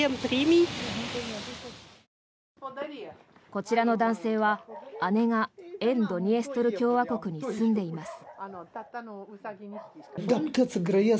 こちらの男性は、姉が沿ドニエストル共和国に住んでいます。